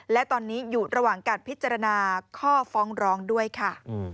และตอนนี้อยู่ระหว่างการพิจารณาข้อฟ้องร้องด้วยค่ะ